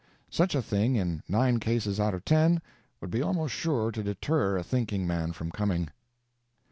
Such a thing in nine cases out of ten would be almost sure to deter a thinking man from coming.